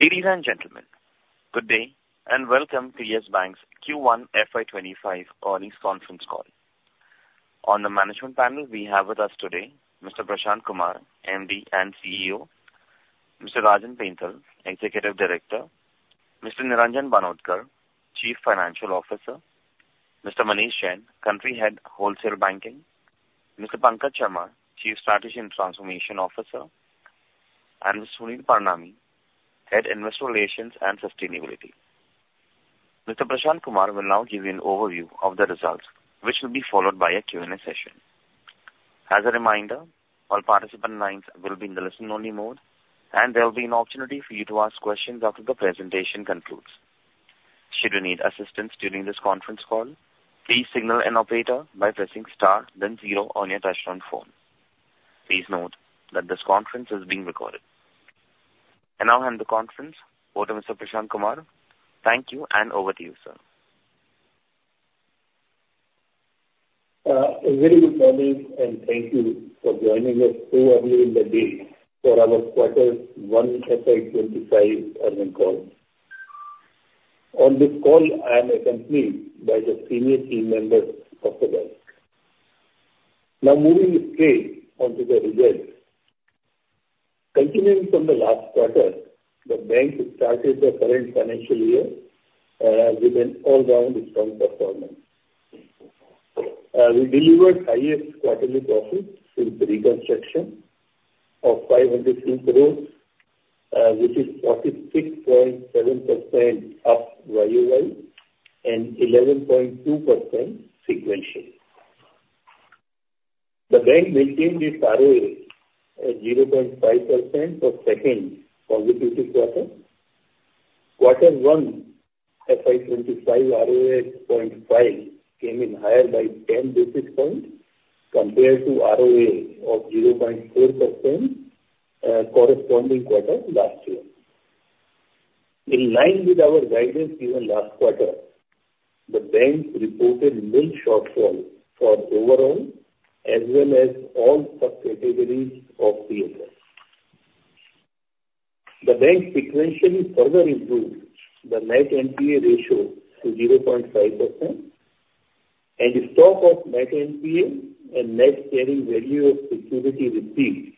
Ladies and gentlemen, good day and welcome to Yes Bank's Q1 FY 2025 earnings conference call. On the management panel, we have with us today Mr. Prashant Kumar, MD and CEO; Mr. Rajan Pental, Executive Director; Mr. Niranjan Banodkar, Chief Financial Officer; Mr. Manish Jain, Country Head Wholesale Banking; Mr. Pankaj Sharma, Chief Strategy and Transformation Officer; and Mr. Sunil Parnami, Head Investor Relations and Sustainability. Mr. Prashant Kumar will now give you an overview of the results, which will be followed by a Q&A session. As a reminder, all participant lines will be in the listen-only mode, and there will be an opportunity for you to ask questions after the presentation concludes. Should you need assistance during this conference call, please signal an operator by pressing star, then zero on your touch-tone phone. Please note that this conference is being recorded. And now, hand the conference over to Mr. Prashant Kumar. Thank you, and over to you, sir. Very good morning, and thank you for joining us so early in the day for our Quarter One FY 2025 earnings call. On this call, I am accompanied by the senior team members of the bank. Now, moving straight onto the results. Continuing from the last quarter, the bank started the current financial year with an all-round strong performance. We delivered highest quarterly profit since reconstruction of 503 crore, which is 46.7% up YOL and 11.2% sequential. The bank maintained its ROA at 0.5% for second consecutive quarter. Quarter One FY 2025 ROA at 0.5% came in higher by 10 basis points compared to ROA of 0.4% corresponding quarter last year. In line with our guidance given last quarter, the bank reported no shortfall for overall as well as all subcategories of PSL. The bank sequentially further improved the net NPA ratio to 0.5% and the stock of net NPA and net carrying value of security receipts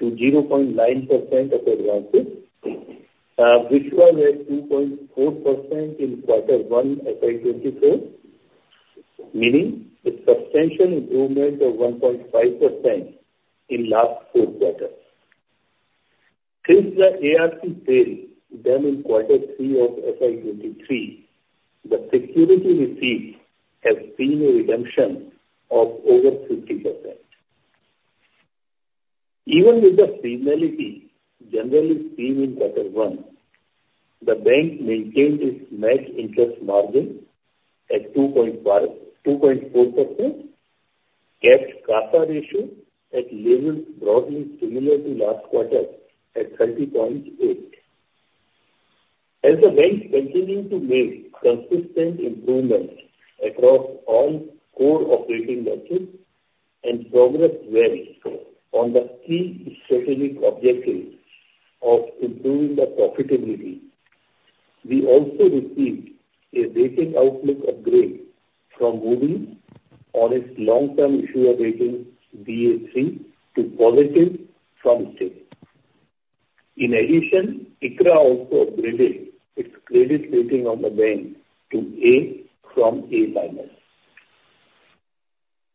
to 0.9% of advances, which was at 2.4% in Quarter One FY 2024, meaning a substantial improvement of 1.5% in last four quarters. Since the ARC sale in Quarter Three of FY 2023, the security receipts has seen a redemption of over 50%. Even with the seasonality generally seen in Quarter One, the bank maintained its net interest margin at 2.4%, kept CASA ratio at levels broadly similar to last quarter at 30.8%. As the bank continued to make consistent improvements across all core operating metrics and progressed well on the key strategic objectives of improving the profitability, we also received a rating outlook upgrade from moving on its long-term issuer rating Ba3 to positive from stable. In addition, ICRA also upgraded its credit rating of the bank to A from A-.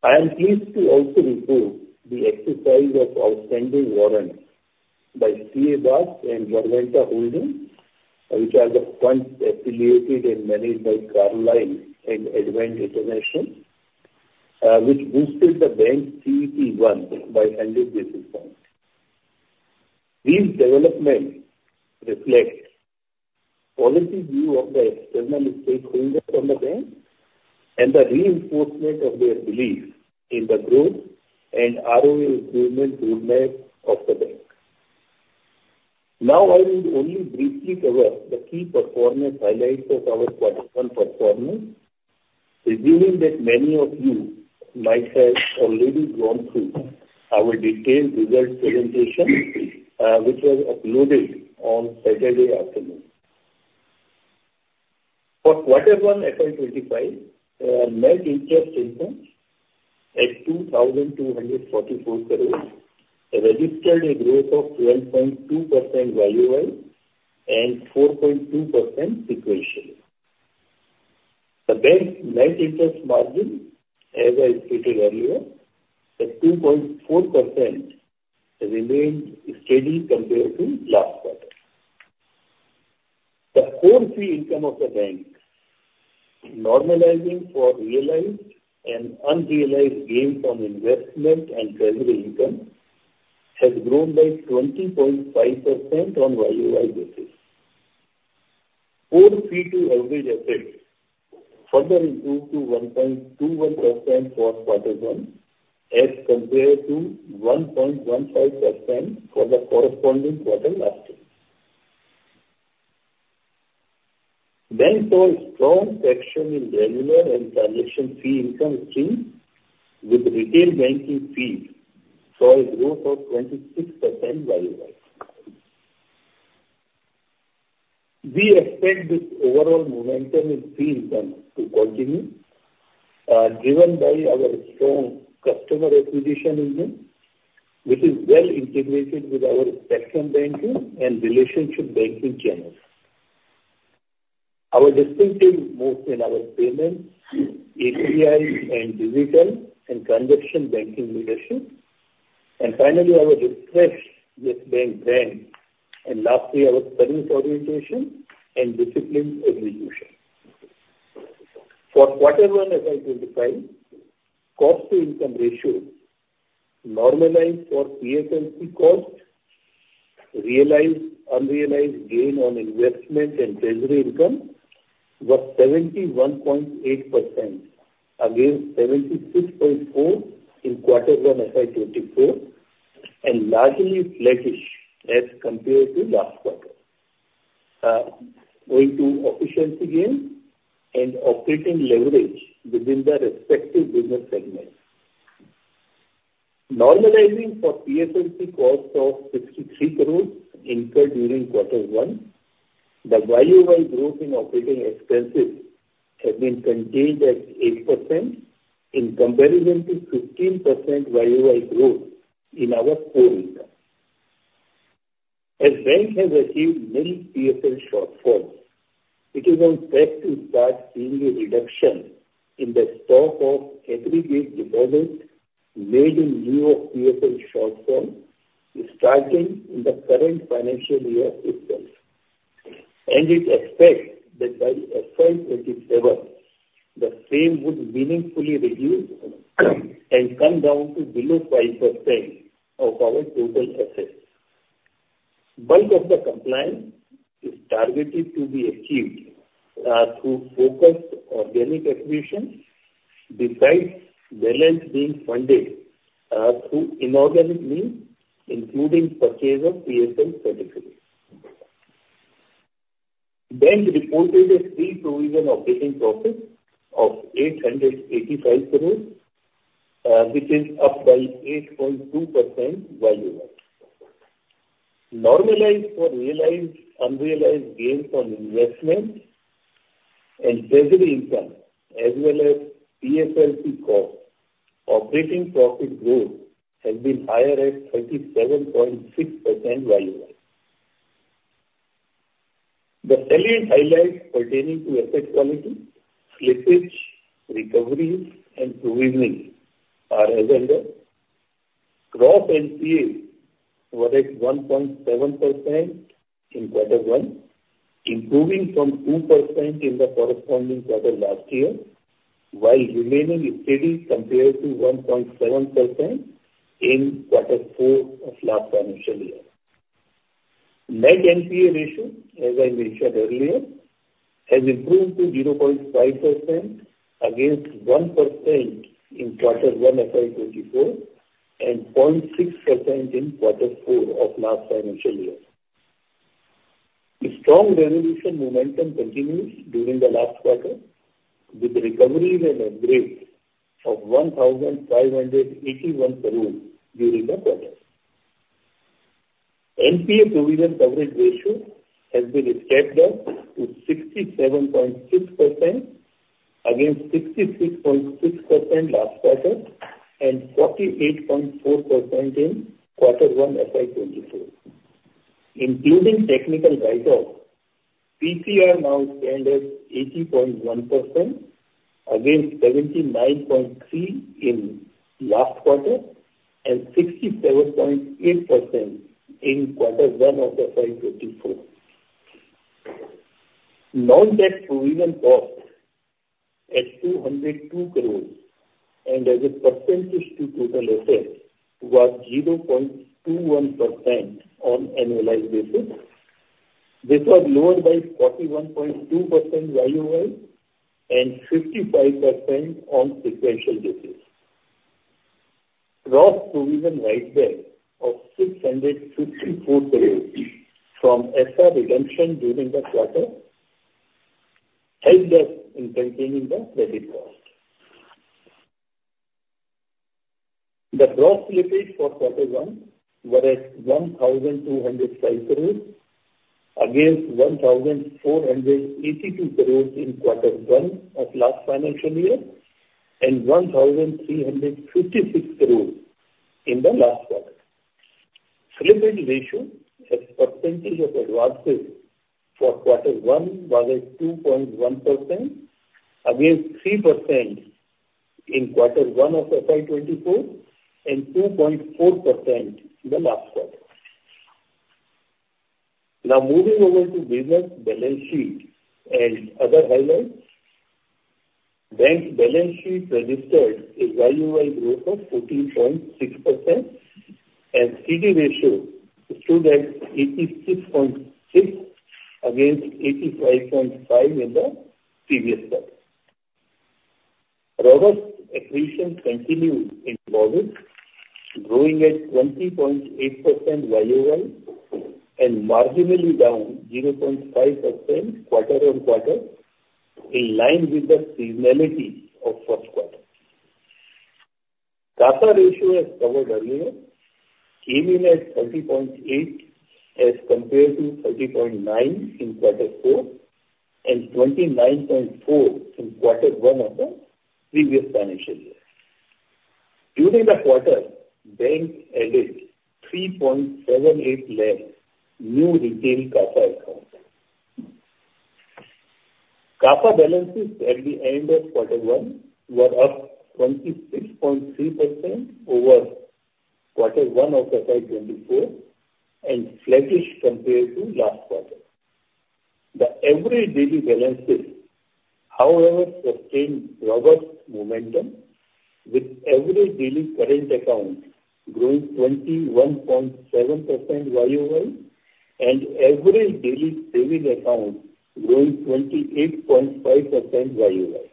I am pleased to also report the exercise of outstanding warrants by CA Basque Investments and Verventa Holdings, which are the funds affiliated and managed by The Carlyle Group and Advent International, which boosted the bank's CET1 by 100 basis points. These developments reflect a positive view of the external stakeholders on the bank and the reinforcement of their belief in the growth and ROA improvement roadmap of the bank. Now, I will only briefly cover the key performance highlights of our Quarter One performance, assuming that many of you might have already gone through our detailed results presentation, which was uploaded on Saturday afternoon. For Quarter One FY 2025, net interest income at 2,244 crores registered a growth of 12.2% YoY and 4.2% sequentially. The bank's net interest margin, as I stated earlier, at 2.4%, remained steady compared to last quarter. The core fee income of the bank, normalizing for realized and unrealized gains on investment and treasury income, has grown by 20.5% on YoY basis. Core fee-to-average assets further improved to 1.21% for Quarter One as compared to 1.15% for the corresponding quarter last year. Bank saw a strong traction in regular and transaction fee income streams, with retail banking fees saw a growth of 26% YoY. We expect this overall momentum in fee income to continue, driven by our strong customer acquisition engine, which is well integrated with our spectrum banking and relationship banking channels. Our distinctive move in our payments, APIs, and digital and transaction banking leadership, and finally, our distinctive Yes Bank brand and lastly, our service orientation and disciplined execution. For Quarter One FY 2025, cost-to-income ratios normalized for PSLC cost, realized unrealized gain on investment and treasury income was 71.8% against 76.4% in Quarter One FY 2024, and largely flattish as compared to last quarter, owing to efficiency gains and operating leverage within the respective business segments. Normalizing for PSLC cost of 63 crore incurred during Quarter One, the YoY growth in operating expenses has been contained at 8% in comparison to 15% YoY growth in our core income. As the bank has achieved many PSL shortfalls, it is on track to start seeing a reduction in the stock of aggregate deposits made in lieu of PSL shortfalls, starting in the current financial year itself. It expects that by FY 2027, the same would meaningfully reduce and come down to below 5% of our total assets. Bulk of the compliance is targeted to be achieved through focused organic acquisitions, besides balance being funded through inorganic means, including purchase of PSL certificates. Bank reported a pre-provision operating profit of 885 crore, which is up by 8.2% YoY. Normalized for realized and unrealized gains on investment and treasury income, as well as PSLC cost, operating profit growth has been higher at 37.6% YoY. The salient highlights pertaining to asset quality, slippage, recoveries, and provisions are as under: Gross NPA was at 1.7% in Quarter One, improving from 2% in the corresponding quarter last year, while remaining steady compared to 1.7% in Quarter Four of last financial year. Net NPA ratio, as I mentioned earlier, has improved to 0.5% against 1% in Quarter One FY 2024 and 0.6% in Quarter Four of last financial year. The strong resolution momentum continues during the last quarter, with recoveries and upgrades of 1,581 crores during the quarter. NPA provision coverage ratio has been stepped up to 67.6% against 66.6% last quarter and 48.4% in Quarter One FY 2024. Including technical write-off, PCR now stands at 80.1% against 79.3% in last quarter and 67.8% in Quarter One of FY 2024. Net provision cost at 202 crores and as a percentage to total assets was 0.21% on annualized basis. This was lowered by 41.2% YoY and 55% on sequential basis. Gross provision write-back of 654 crores from SR redemption during the quarter helped us in containing the credit cost. The gross slippage for Quarter One was at 1,205 crores against 1,482 crores in Quarter One of last financial year and 1,356 crores in the last quarter. Slippage ratio as percentage of advances for Quarter One was at 2.1% against 3% in Quarter One of FY 2024 and 2.4% in the last quarter. Now, moving over to business balance sheet and other highlights, bank balance sheet registered a YoY growth of 14.6% and CD ratio stood at 86.6% against 85.5% in the previous quarter. Robust acquisition continued in deposits, growing at 20.8% YoY and marginally down 0.5% quarter-on-quarter, in line with the seasonality of first quarter. CASA ratio, as covered earlier, came in at 30.8% as compared to 30.9% in Quarter Four and 29.4% in Quarter One of the previous financial year. During the quarter, bank added 378,000 new retail CASA accounts. CASA balances at the end of Quarter One were up 26.3% over Quarter One of FY 2024 and flattish compared to last quarter. The average daily balances sustained robust momentum, with average daily current accounts growing 21.7% YoY and average daily savings accounts growing 28.5% YoY.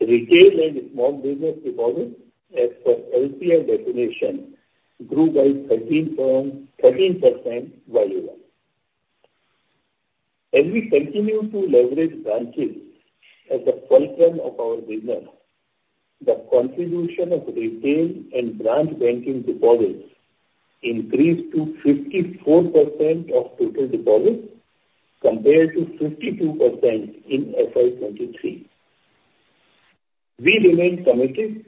Retail and small business deposits, as per LPI definition, grew by 13% YoY. As we continue to leverage branches as a fulcrum of our business, the contribution of retail and branch banking deposits increased to 54% of total deposits compared to 52% in FY 2023. We remained committed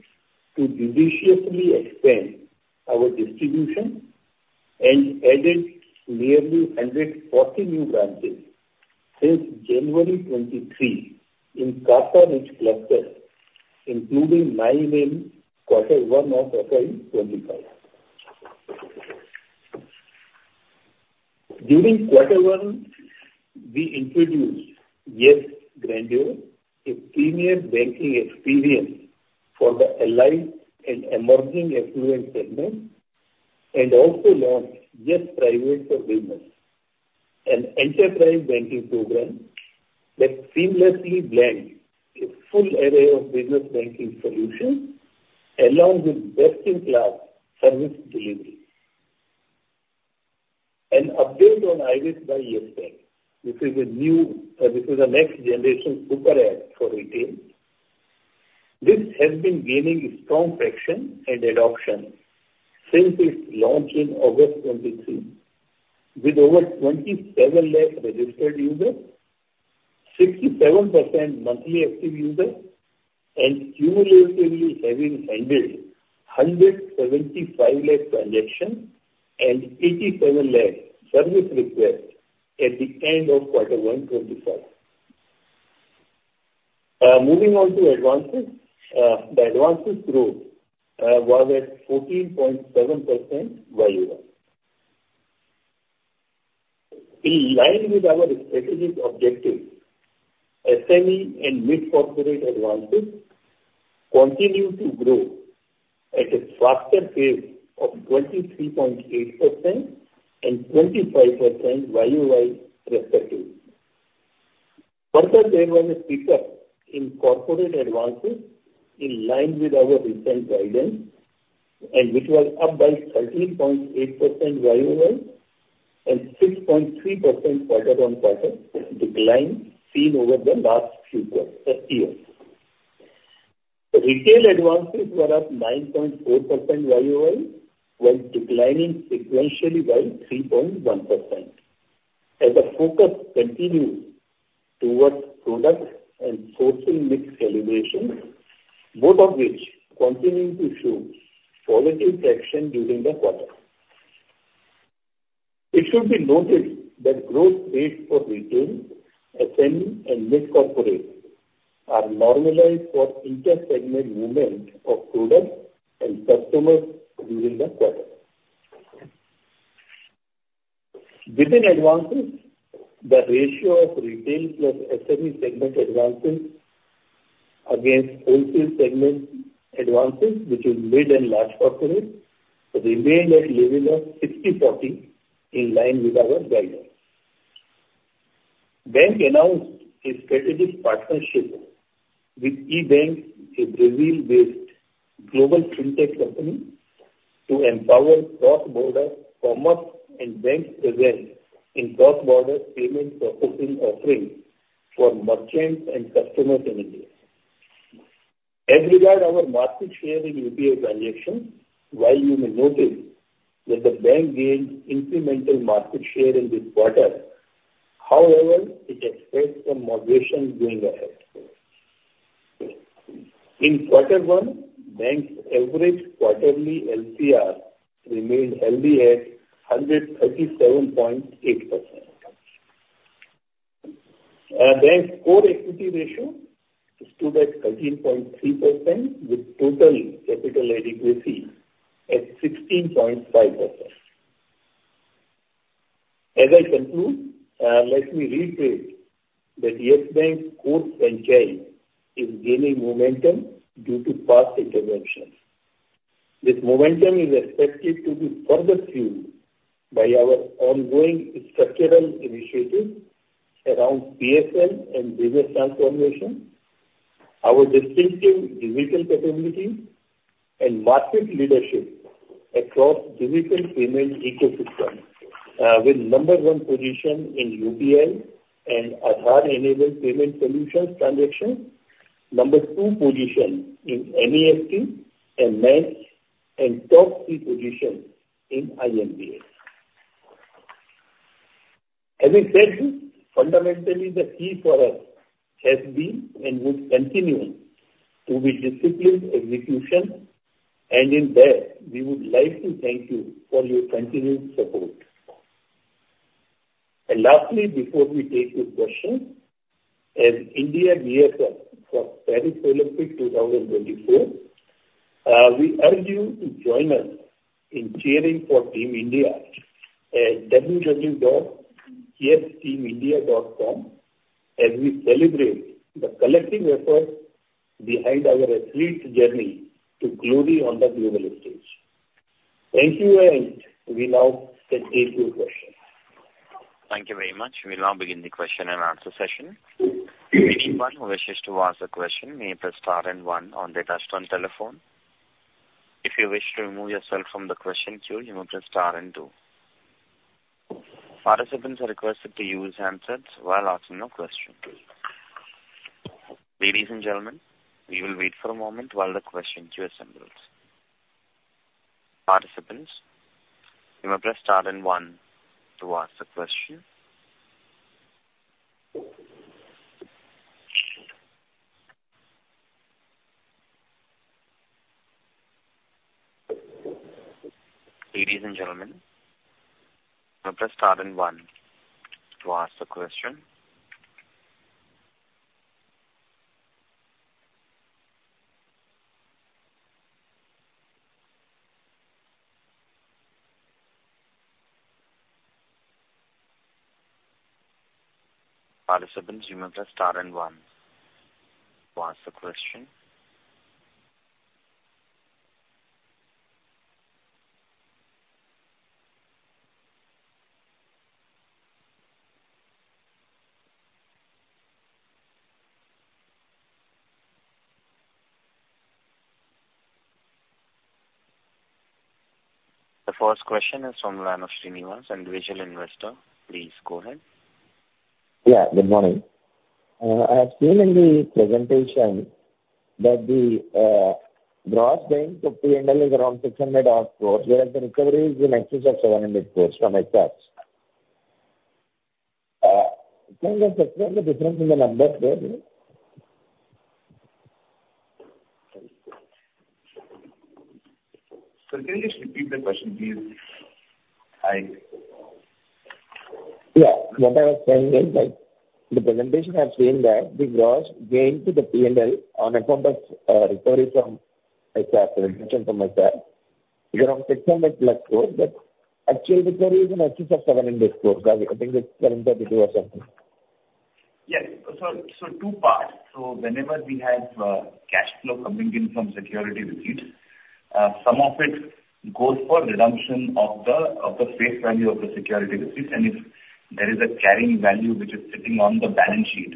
to judiciously expand our distribution and added nearly 140 new branches since January 2023 in CASA-rich clusters, including 9 in Quarter One of FY 2025. During Quarter One, we introduced YES Grandeur, a premium banking experience for the elite and emerging affluent segment, and also launched YES Private for Business, an enterprise banking program that seamlessly blends a full array of business banking solutions along with best-in-class service delivery. An update on iris by YES BANK, this is a new, this is a next-generation super app for retail. This has been gaining strong traction and adoption since its launch in August 2023, with over 27 lakh registered users, 67% monthly active users, and cumulatively having handled 175 lakh transactions and 87 lakh service requests at the end of Quarter 1 2025. Moving on to advances, the advances growth was at 14.7% YoY. In line with our strategic objectives, SME and mid-corporate advances continue to grow at a faster pace of 23.8% and 25% YoY respectively. Further there was a pickup in corporate advances in line with our recent guidance, which was up by 13.8% YoY and 6.3% quarter-on-quarter decline seen over the last few years. Retail advances were up 9.4% YoY, while declining sequentially by 3.1%. As the focus continues towards product and sourcing mix calibrations, both of which continue to show positive traction during the quarter. It should be noted that growth rates for retail, SME, and mid-corporate are normalized for inter-segment movement of products and customers during the quarter. Within advances, the ratio of retail plus SME segment advances against wholesale segment advances, which is mid and large corporate, remained at a level of 60-40 in line with our guidance. Bank announced a strategic partnership with EBANX, a Brazil-based global fintech company, to empower cross-border commerce and bank presence in cross-border payment processing offerings for merchants and customers in India. As regards our market share in UPI transactions, while you may notice that the bank gained incremental market share in this quarter, however, it expressed some moderation going ahead. In Quarter One, bank's average quarterly LCR remained healthy at 137.8%. Bank's core equity ratio stood at 13.3%, with total capital adequacy at 16.5%. As I conclude, let me reiterate that Yes Bank's core franchise is gaining momentum due to past interventions. This momentum is expected to be further fueled by our ongoing structural initiatives around PSL and business transformation, our distinctive digital capabilities, and market leadership across digital payment ecosystem, with number one position in UPI and Aadhaar-enabled payment solutions transactions, number two position in NEFT, and top three position in IMPS. As I said, fundamentally, the key for us has been and would continue to be disciplined execution, and in that, we would like to thank you for your continued support. And lastly, before we take your questions, as India gears up for Paris Olympics 2024, we urge you to join us in cheering for Team India at www.yes-team-india.com as we celebrate the collective effort behind our athlete's journey to glory on the global stage. Thank you, and we now take your questions. Thank you very much. We now begin the question and answer session. If anyone wishes to ask a question, you may press star one on the touchtone telephone. If you wish to remove yourself from the question queue, you may press star two. Participants are requested to use handsets while asking a question. Ladies and gentlemen, we will wait for a moment while the question queue assembles. Participants, you may press star one to ask a question. Ladies and gentlemen, you may press star one to ask a question. Participants, you may press star and one to ask a question. The first question is from Ranush Srinivas, individual investor. Please go ahead. Yeah, good morning. I have seen in the presentation that the gross bank's upper end is around 600-odd crores, whereas the recovery is in excess of 700 crores from SRs. Can you just explain the difference in the numbers there? Can you just repeat the question, please? Yeah, what I was saying is that the presentation has seen that the gross gain to the P&L on account of recovery from SRs, the return from SRs, is around INR 600-plus crores, but actual recovery is in excess of INR 700 crores. I think it's INR 732 or something. Yes, so two parts. So whenever we have cash flow coming in from security receipts, some of it goes for redemption of the face value of the security receipts, and if there is a carrying value which is sitting on the balance sheet,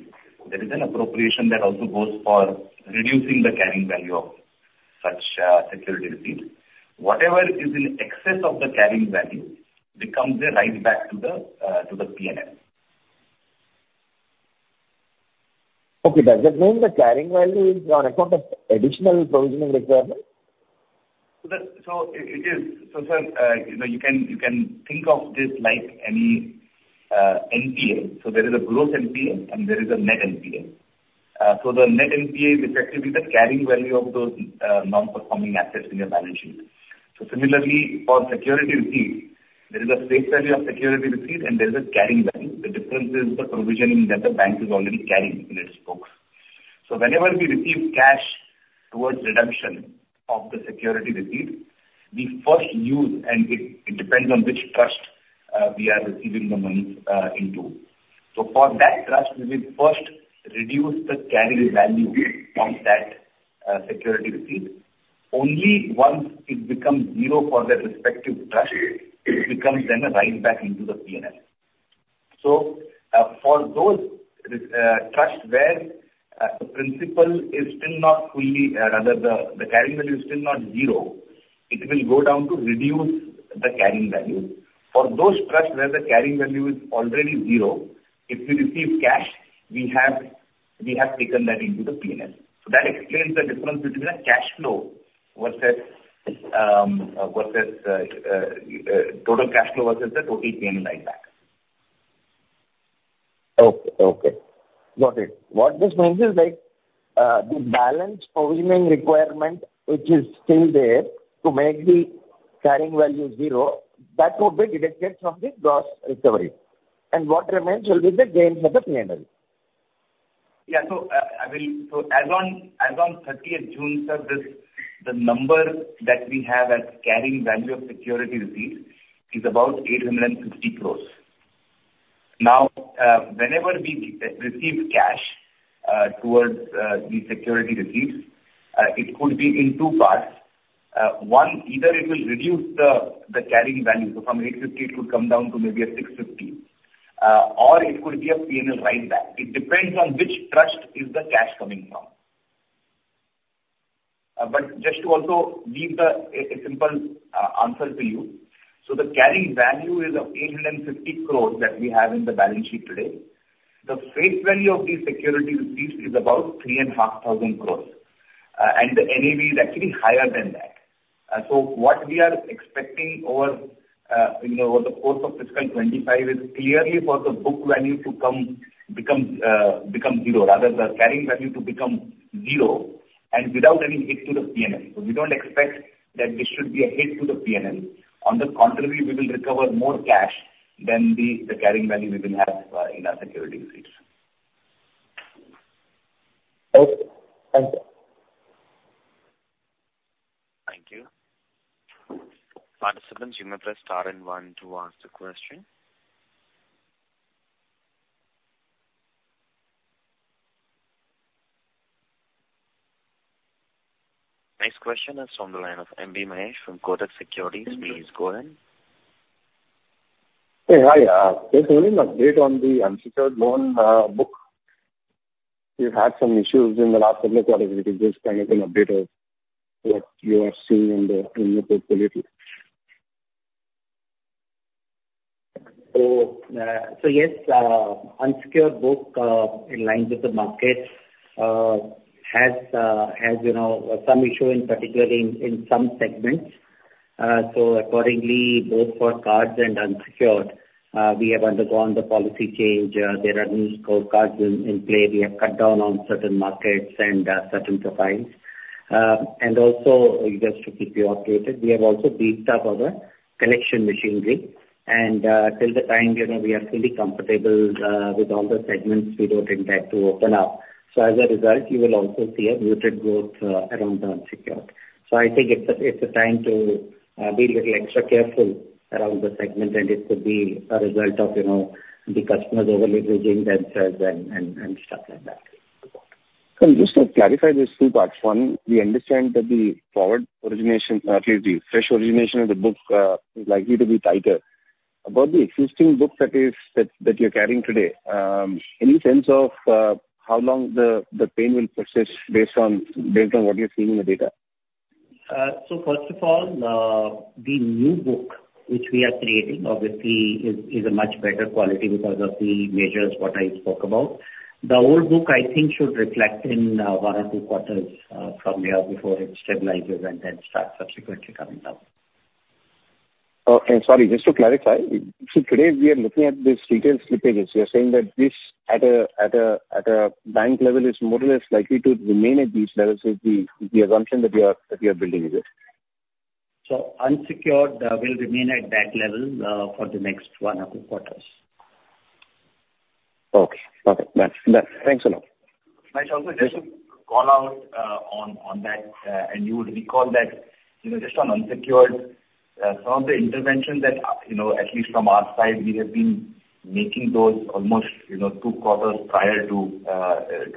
there is an appropriation that also goes for reducing the carrying value of such security receipts. Whatever is in excess of the carrying value becomes a write-back to the P&L. Okay, but does that mean the carrying value is on account of additional provisioning requirements? So it is. So sir, you can think of this like any NPA. So there is a gross NPA, and there is a net NPA. So the net NPA is effectively the carrying value of those non-performing assets in your balance sheet. So similarly, for security receipts, there is a face value of security receipt, and there is a carrying value. The difference is the provisioning that the bank is already carrying in its books. So whenever we receive cash towards redemption of the security receipt, we first use, and it depends on which trust we are receiving the money into. So for that trust, we will first reduce the carrying value of that security receipt. Only once it becomes zero for the respective trust, it becomes then a write-back into the P&L. So for those trusts where the principal is still not fully, rather the carrying value is still not zero, it will go down to reduce the carrying value. For those trusts where the carrying value is already zero, if we receive cash, we have taken that into the P&L. So that explains the difference between a cash flow versus total cash flow versus the total P&L write-back. Okay, okay. Got it. What this means is the balance provisioning requirement, which is still there, to make the carrying value zero, that would be deducted from the gross recovery. And what remains will be the gain for the P&L. Yeah, so as on 30th June, sir, the number that we have as carrying value of security receipts is about 850 crore. Now, whenever we receive cash towards the security receipts, it could be in two parts. One, either it will reduce the carrying value. So from 850 crore, it could come down to maybe a 650 crore, or it could be a P&L write-back. It depends on which trust is the cash coming from. But just to also give a simple answer to you, so the carrying value is of 850 crore that we have in the balance sheet today. The face value of these security receipts is about 3,500 crore, and the NAV is actually higher than that. So what we are expecting over the course of fiscal 2025 is clearly for the book value to become zero, rather the carrying value to become zero and without any hit to the P&L. So we don't expect that there should be a hit to the P&L. On the contrary, we will recover more cash than the carrying value we will have in our security receipts. Okay, thank you. Thank you. Participants, you may press star and one to ask a question. Next question is from the line of M.B. Mahesh from Kotak Securities. Please go ahead. Hey, hi. Just wanted an update on the unsecured loan book. We've had some issues in the last couple of quarters. We could just kind of get an update of what you are seeing in the portfolio. Yes, unsecured book, in line with the market, has some issues, particularly in some segments. Accordingly, both for cards and unsecured, we have undergone the policy change. There are new scorecards in play. We have cut down on certain markets and certain profiles. Also, just to keep you updated, we have also beefed up our collection machinery. Till the time we are fully comfortable with all the segments, we don't intend to open up. As a result, you will also see a muted growth around the unsecured. I think it's a time to be a little extra careful around the segment, and it could be a result of the customers over-leveraging themselves and stuff like that. Can you just clarify these two parts? One, we understand that the forward origination, or at least the fresh origination of the book, is likely to be tighter. About the existing book that you're carrying today, any sense of how long the pain will persist based on what you're seeing in the data? So first of all, the new book, which we are creating, obviously is a much better quality because of the measures what I spoke about. The old book, I think, should reflect in 1 or 2 quarters from here before it stabilizes and then starts subsequently coming down. Okay, sorry. Just to clarify, so today we are looking at these retail slippages. You're saying that this at a bank level is more or less likely to remain at these levels is the assumption that you are building with it? So unsecured will remain at that level for the next 1 or 2 quarters. Okay, okay. Thanks a lot. I also just want to call out on that, and you would recall that just on unsecured, some of the interventions that at least from our side, we have been making those almost two quarters prior to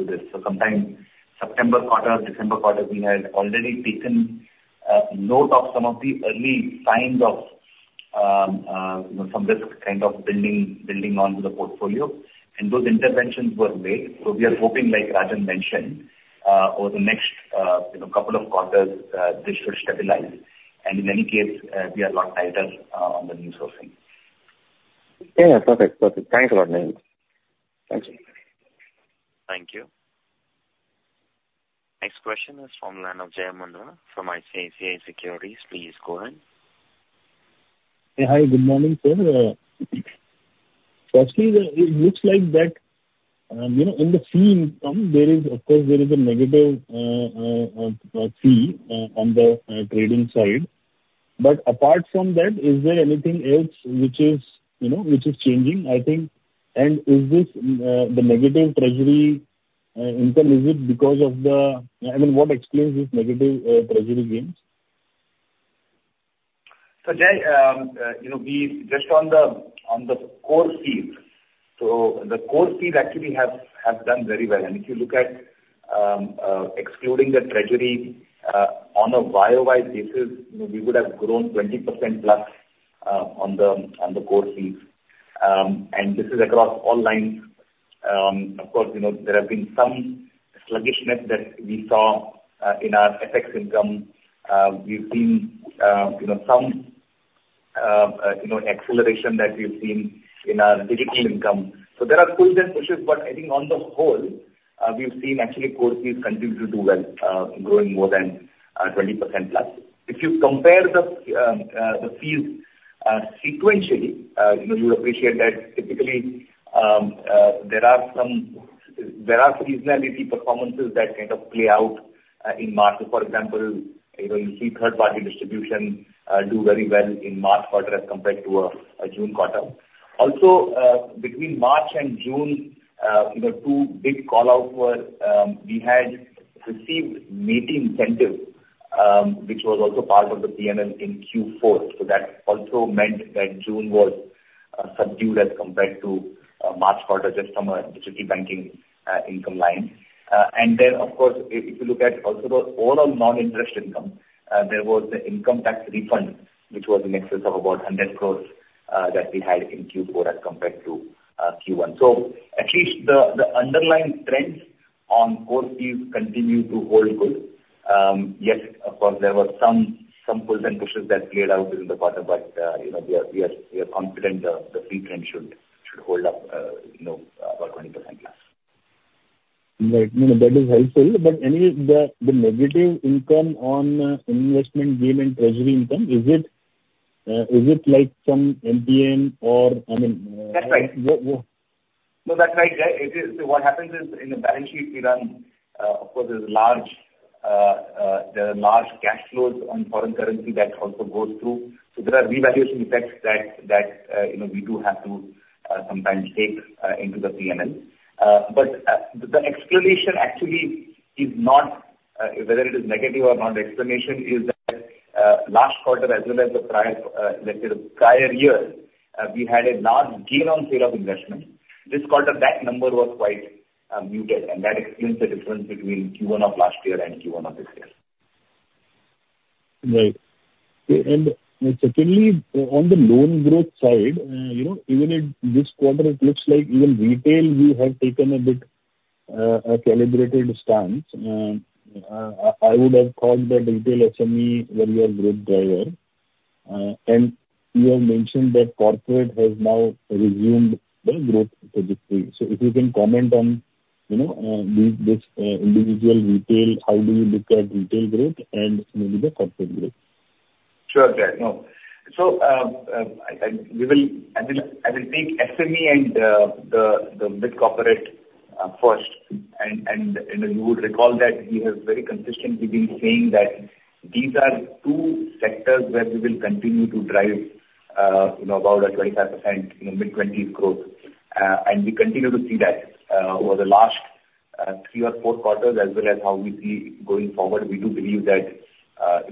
this. So sometime September quarter, December quarter, we had already taken note of some of the early signs of some risk kind of building onto the portfolio. And those interventions were made. So we are hoping, like Rajan mentioned, over the next couple of quarters, this should stabilize. And in any case, we are a lot tighter on the new sourcing. Yeah, yeah. Perfect, perfect. Thanks a lot, man. Thanks. Thank you. Next question is from the line of Jai Mundhra from ICICI Securities. Please go ahead. Hey, hi. Good morning, sir. Firstly, it looks like that in the fee income, of course, there is a negative fee on the trading side. But apart from that, is there anything else which is changing, I think? And is this the negative treasury income? Is it because of the, I mean, what explains this negative treasury gains? So Jai, just on the core fee, so the core fee actually has done very well. And if you look at excluding the treasury on a YOY basis, we would have grown 20%+ on the core fee. And this is across all lines. Of course, there have been some sluggishness that we saw in our FX income. We've seen some acceleration that we've seen in our digital income. So there are pulls and pushes, but I think on the whole, we've seen actually core fees continue to do well, growing more than 20%+. If you compare the fees sequentially, you would appreciate that typically there are seasonality performances that kind of play out in March. For example, you see third-party distribution do very well in March quarter as compared to a June quarter. Also, between March and June, two big callouts were we had received MeitY incentives, which was also part of the P&L in Q4. So that also meant that June was subdued as compared to March quarter, just from a digital banking income line. And then, of course, if you look at also the overall non-interest income, there was the income tax refund, which was in excess of about 100 crore that we had in Q4 as compared to Q1. So at least the underlying trends on core fees continue to hold good. Yes, of course, there were some pulls and pushes that played out during the quarter, but we are confident the fee trend should hold up about 20% plus. Right. That is helpful. But anyway, the negative income on investment gain and treasury income, is it like some MPN or, I mean? That's right. No, that's right. What happens is in the balance sheet we run, of course, there are large cash flows on foreign currency that also goes through. So there are revaluation effects that we do have to sometimes take into the P&L. But the explanation actually is not whether it is negative or not. The explanation is that last quarter, as well as the prior year, we had a large gain on sale of investment. This quarter, that number was quite muted, and that explains the difference between Q1 of last year and Q1 of this year. Right. Secondly, on the loan growth side, even in this quarter, it looks like even retail, we have taken a bit of a calibrated stance. I would have thought that retail SME were your growth driver. And you have mentioned that corporate has now resumed the growth trajectory. So if you can comment on this individual retail, how do you look at retail growth and maybe the corporate growth? Sure, Jay. So I will take SME and the large corporate first. And you would recall that we have very consistently been saying that these are two sectors where we will continue to drive about a 25% mid-20s growth. And we continue to see that over the last 3 or 4 quarters, as well as how we see going forward. We do believe that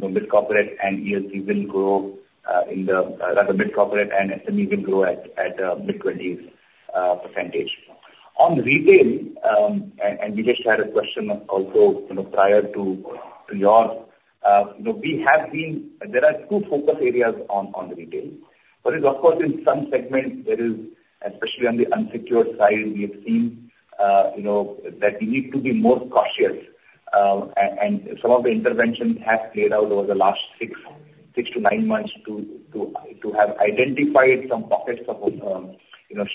mid-corporate and large corporate will grow, rather mid-corporate and SME will grow at mid-20s%. On retail, and we just had a question also prior to yours, we have seen there are two focus areas on retail. But of course, in some segments, there is, especially on the unsecured side, we have seen that we need to be more cautious. And some of the interventions have played out over the last 6-9 months to have identified some pockets of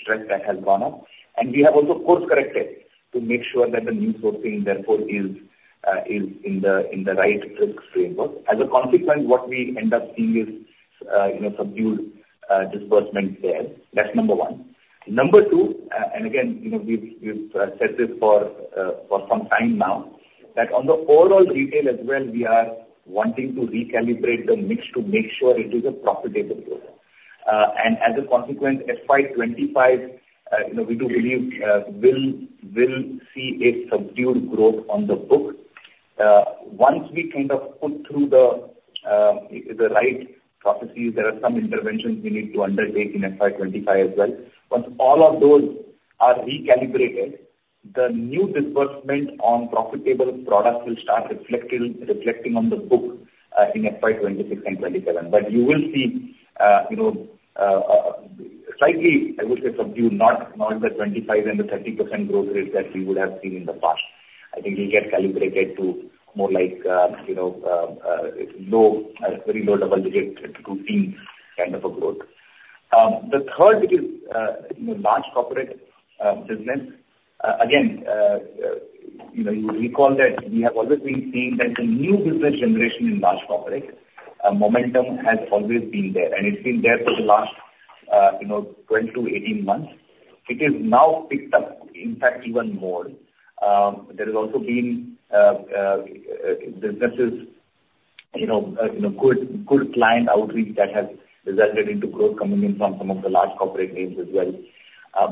stress that have gone up. And we have also course-corrected to make sure that the new sourcing, therefore, is in the right risk framework. As a consequence, what we end up seeing is subdued disbursement there. That's number one. Number two, and again, we've said this for some time now, that on the overall retail as well, we are wanting to recalibrate the mix to make sure it is a profitable growth. As a consequence, FY 2025, we do believe we will see a subdued growth on the book. Once we kind of put through the right processes, there are some interventions we need to undertake in FY 2025 as well. Once all of those are recalibrated, the new disbursement on profitable products will start reflecting on the book in FY 2026 and 27. But you will see slightly, I would say, subdued, not the 25 and the 30% growth rate that we would have seen in the past. I think we'll get calibrated to more like low, very low double-digit to 15 kind of a growth. The third is large corporate business. Again, you recall that we have always been seeing that the new business generation in large corporate momentum has always been there. It's been there for the last 12 to 18 months. It has now picked up, in fact, even more. There has also been businesses, good client outreach that has resulted in growth coming in from some of the large corporate names as well.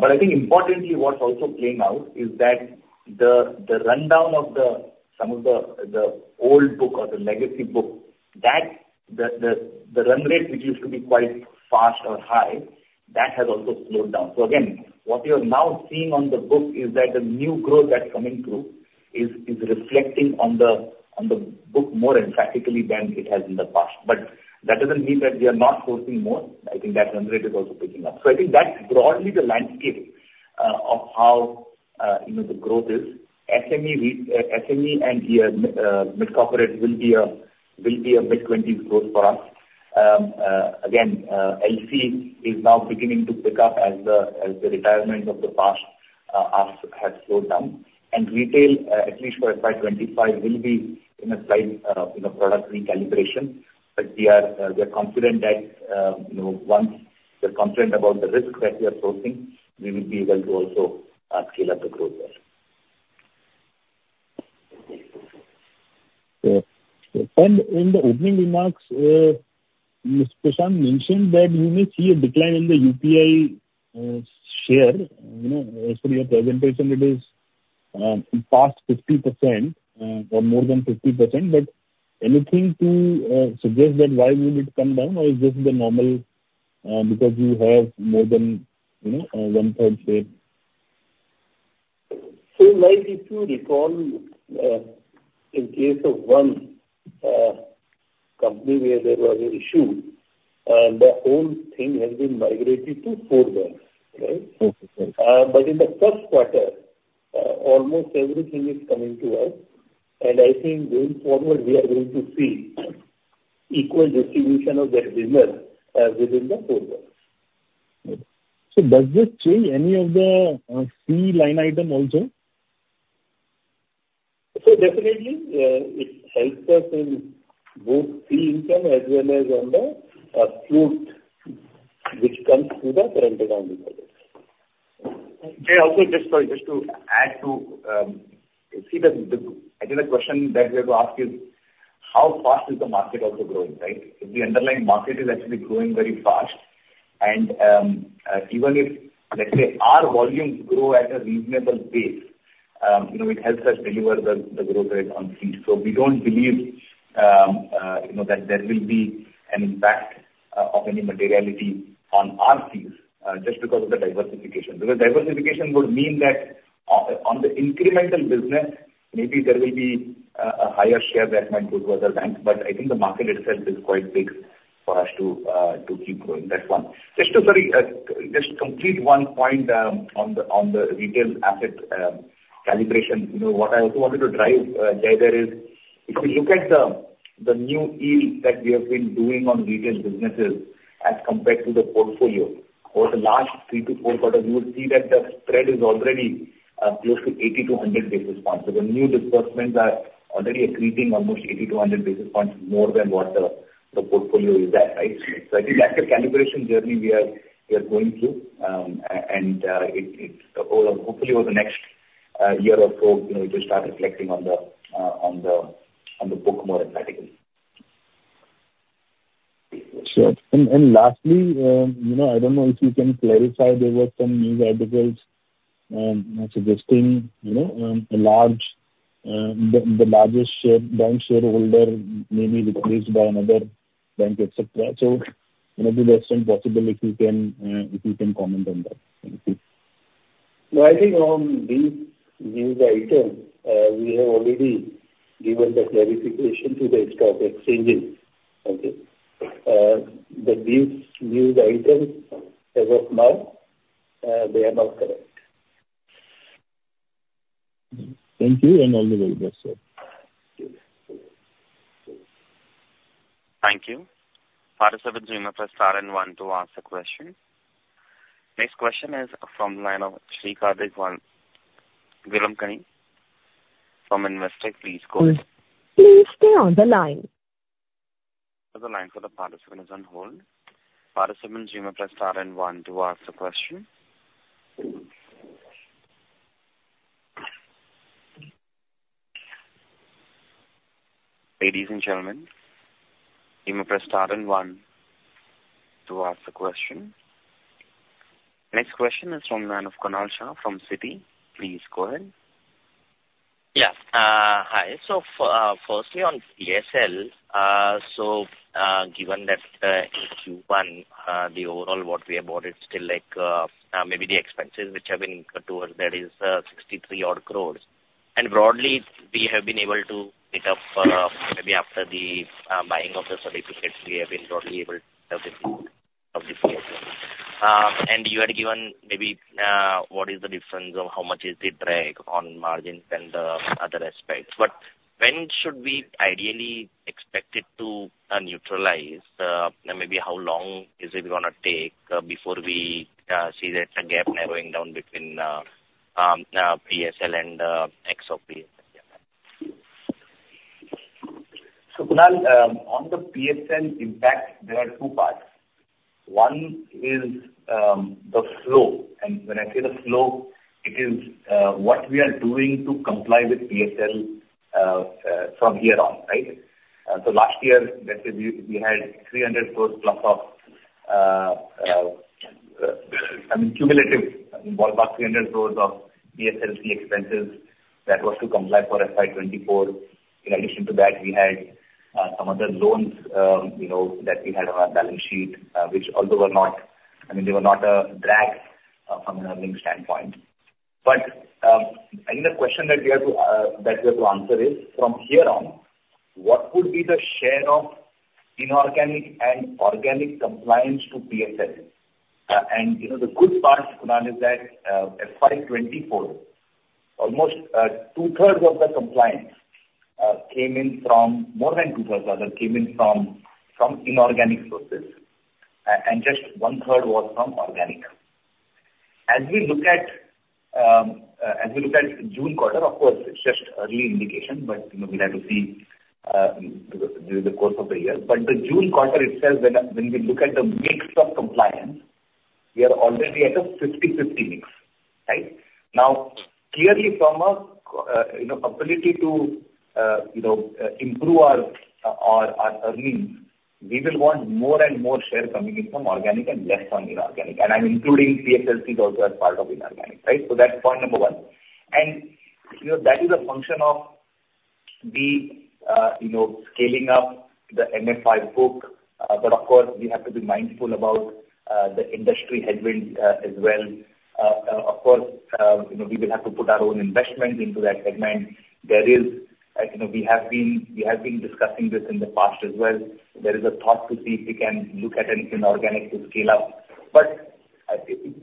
But I think importantly, what's also playing out is that the rundown of some of the old book or the legacy book, that the run rate, which used to be quite fast or high, that has also slowed down. So again, what we are now seeing on the book is that the new growth that's coming through is reflecting on the book more emphatically than it has in the past. But that doesn't mean that we are not sourcing more. I think that run rate is also picking up. So I think that's broadly the landscape of how the growth is. SME and mid-corporate will be a mid-20s growth for us. Again, LC is now beginning to pick up as the retirement of the past has slowed down. Retail, at least for FY 2025, will be in a slight product recalibration. But we are confident that once we're confident about the risk that we are sourcing, we will be able to also scale up the growth there. And in the opening remarks, Prashant mentioned that you may see a decline in the UPI share. As per your presentation, it is past 50% or more than 50%. But anything to suggest that why would it come down? Or is this the normal because you have more than one-third share? So like if you recall, in case of one company where there was an issue, the whole thing has been migrated to four ways, right? But in the first quarter, almost everything is coming to us. I think going forward, we are going to see equal distribution of that business within the four ways. So does this change any of the fee line item also? So definitely, it helps us in both fee income as well as on the float, which comes through the CASA. Jai, also just to add to see that I think the question that we have to ask is, how fast is the market also growing, right? The underlying market is actually growing very fast. And even if, let's say, our volumes grow at a reasonable pace, it helps us deliver the growth rate on fees. So we don't believe that there will be an impact of any materiality on our fees just because of the diversification. Because diversification would mean that on the incremental business, maybe there will be a higher share that might go to other banks. But I think the market itself is quite big for us to keep growing. That's one. Just to, sorry, just complete one point on the retail asset calibration. What I also wanted to drive, Jay, there is if you look at the new yield that we have been doing on retail businesses as compared to the portfolio over the last 3-4 quarters, you will see that the spread is already close to 80-100 basis points. So the new disbursements are already accreting almost 80-100 basis points more than what the portfolio is at, right? So I think that's the calibration journey we are going through. And hopefully, over the next year or so, it will start reflecting on the book more emphatically. Sure. And lastly, I don't know if you can clarify. There were some news articles suggesting the largest bank shareholder may be replaced by another bank, etc. So it would be best and possible if you can comment on that. Thank you. Well, I think on these news items, we have already given the clarification to the stock exchanges. But these news items as of now, they are not correct. Thank you. And all the very best, sir. Thank you. Participants in the first one to ask a question. Next question is from the line of Sri Karthik Velamakanni from Investec. Please go ahead. Please stay on the line. The line for the participant is on hold. Participants in the first one to ask a question. Ladies and gentlemen, in the first one to ask a question. Next question is from the line of Kunal Shah from Citigroup. Please go ahead. Yeah. Hi. So firstly, on PSL, so given that in Q1, the overall what we have bought is still maybe the expenses which have been cut to, that is 63 crore. And broadly, we have been able to pick up maybe after the buying of the certificates, we have been broadly able to pick up of the fee as well. And you had given maybe what is the difference of how much is the drag on margins and other aspects. But when should we ideally expect it to neutralize? Maybe how long is it going to take before we see that gap narrowing down between PSL and XOP? So Kunal, on the PSL impact, there are two parts. One is the flow. And when I say the flow, it is what we are doing to comply with PSL from here on, right? So last year, let's say we had 300+ crore of, I mean, cumulative ballpark 300 crore of PSLC expenses that was to comply for FY 2024. In addition to that, we had some other loans that we had on our balance sheet, which although were not, I mean, they were not a drag from an earnings standpoint. But I think the question that we have to answer is, from here on, what would be the share of inorganic and organic compliance to PSL? And the good part, Kunal, is that FY 2024, almost two-thirds of the compliance came in from more than two-thirds of them came in from inorganic sources. And just one-third was from organic. As we look at June quarter, of course, it's just early indication, but we have to see the course of the year. But the June quarter itself, when we look at the mix of compliance, we are already at a 50/50 mix, right? Now, clearly, from our ability to improve our earnings, we will want more and more share coming in from organic and less from inorganic. And I'm including PSLCs also as part of inorganic, right? So that's point number one. And that is a function of the scaling up the MFI book. But of course, we have to be mindful about the industry headwinds as well. Of course, we will have to put our own investment into that segment. There is, we have been discussing this in the past as well. There is a thought to see if we can look at anything organic to scale up. But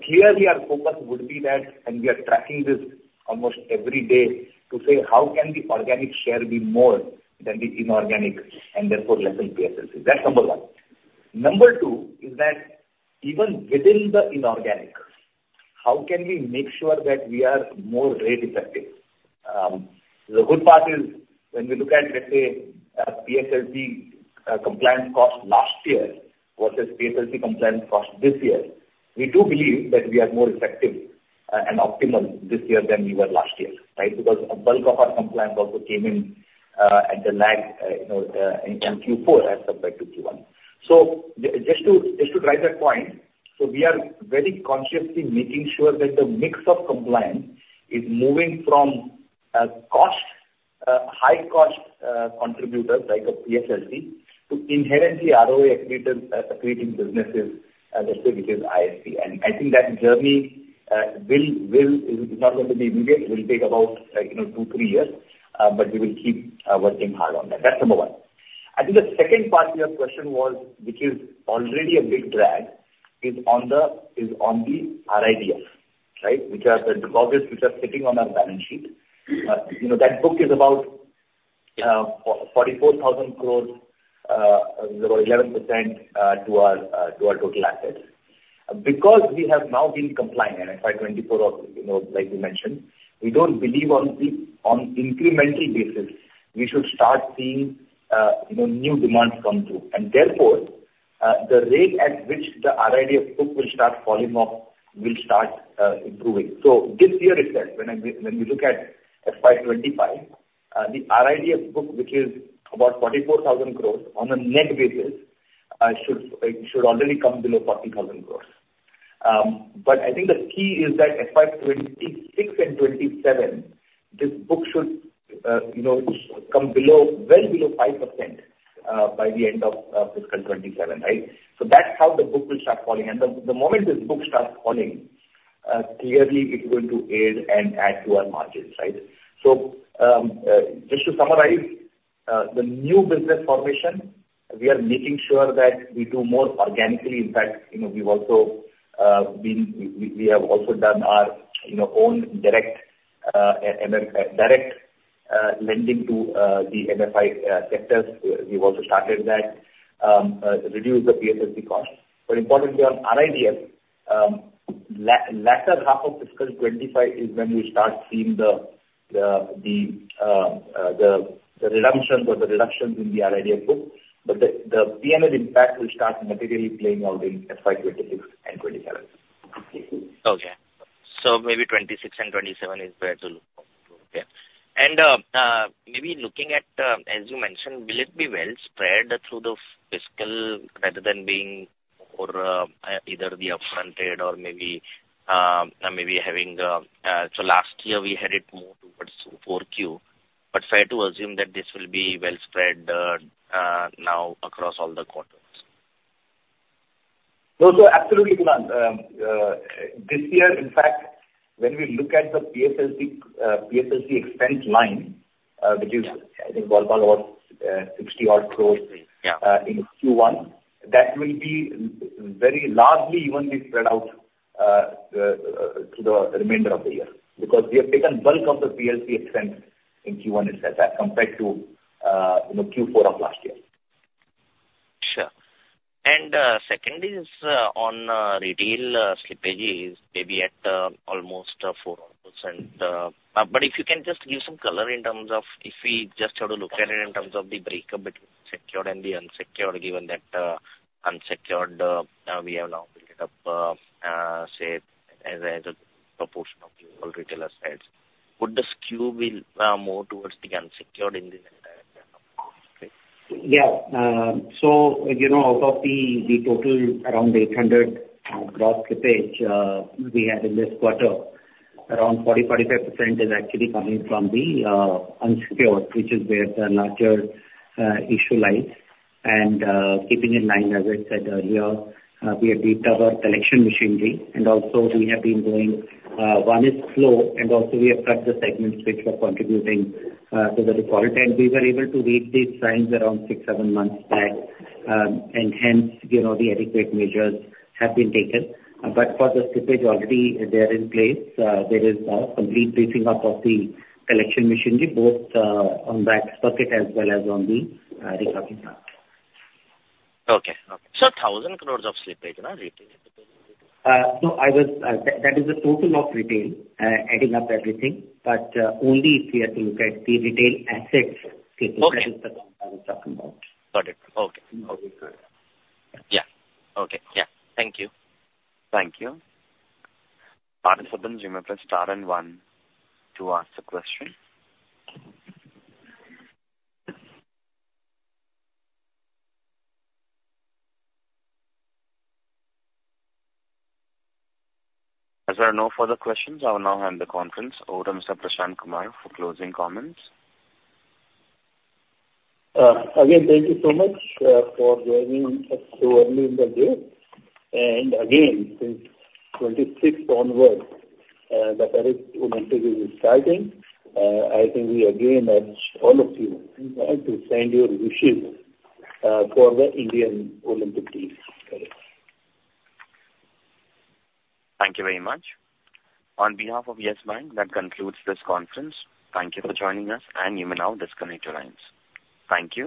clearly, our focus would be that, and we are tracking this almost every day to say, how can the organic share be more than the inorganic and therefore less than PSLC? That's number one. Number two is that even within the inorganic, how can we make sure that we are more rate-effective? The good part is when we look at, let's say, PSLC compliance cost last year versus PSLC compliance cost this year, we do believe that we are more effective and optimal this year than we were last year, right? Because a bulk of our compliance also came in at the lag in Q4 as compared to Q1. So just to drive that point, so we are very consciously making sure that the mix of compliance is moving from high-cost contributors like PSLC to inherently ROE-accreting businesses, let's say, which is ISC. I think that journey is not going to be immediate. It will take about two, three years. But we will keep working hard on that. That's number one. I think the second part of your question was, which is already a big drag, is on the RIDF, right? Which are the deposits which are sitting on our balance sheet. That book is about 44,000 crore, is about 11% to our total assets. Because we have now been complying in FY 2024, like you mentioned, we don't believe on incremental basis, we should start seeing new demands come through. And therefore, the rate at which the RIDF book will start falling off will start improving. So this year itself, when we look at FY 2025, the RIDF book, which is about 44,000 crore on a net basis, should already come below 40,000 crore. But I think the key is that FY 2026 and 27, this book should come below, well below 5% by the end of fiscal 27, right? So that's how the book will start falling. And the moment this book starts falling, clearly, it will aid and add to our margins, right? So just to summarize, the new business formation, we are making sure that we do more organically. In fact, we have also done our own direct lending to the MFI sectors. We've also started that, reduce the PSLC costs. But importantly, on RIDF, latter half of fiscal 25 is when we start seeing the redemptions or the reductions in the RIDF book. But the P&L impact will start materially playing out in FY 2026 and 2027. Okay. So maybe 26 and 27 is where to look. Okay. And maybe looking at, as you mentioned, will it be well spread through the fiscal rather than being more either the upfront aid or maybe having so last year, we had it more towards 4Q. But fair to assume that this will be well spread now across all the quarters? No, so absolutely, Kunal. This year, in fact, when we look at the PSLC expense line, which is, I think, ballpark about 60-odd crores in Q1, that will be very largely evenly spread out to the remainder of the year. Because we have taken bulk of the PSLC expense in Q1 itself compared to Q4 of last year. Sure. And second is on retail slippages, maybe at almost 4%. But if you can just give some color in terms of if we just have to look at it in terms of the breakup between secured and the unsecured, given that unsecured, we have now built it up, say, as a proportion of the overall retail side. Would the skew be more towards the unsecured in this entire? Yeah. So out of the total around 800 gross slippage we had in this quarter, around 40%-45% is actually coming from the unsecured, which is where the larger issue lies. And keeping in mind, as I said earlier, we have deepened our collection machinery. And also, we have been going one is slow. And also, we have cut the segments which were contributing to the default. And we were able to reach these signs around 6-7 months back. And hence, the adequate measures have been taken. But for the slippage, already they are in place. There is a complete basing up of the collection machinery, both on that circuit as well as on the recording part. Okay. So 1,000 crore of slippage, right? So that is the total of retail, adding up everything. But only if we have to look at the retail asset slippage, that is the compliance we're talking about. Got it. Okay. Okay. Good. Yeah. Okay. Yeah. Thank you. Thank you. Participants, you may press star and one to ask a question. As there are no further questions, I will now hand the conference over to Mr. Prashant Kumar for closing comments. Again, thank you so much for joining us so early in the day. And again, since 26 onward, the Paris Olympics is starting. I think we again urge all of you to send your wishes for the Indian Olympic team. Thank you very much. On behalf of YES BANK, that concludes this conference. Thank you for joining us. You may now disconnect your lines. Thank you.